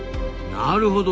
なるほど。